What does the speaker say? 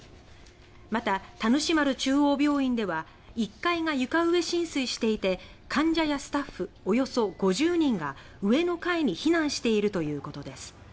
また田主丸中央病院では１階が床上浸水していて患者やスタッフおよそ５０人が上の階に避難しているということです。